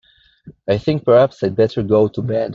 I think perhaps I'd better go to bed.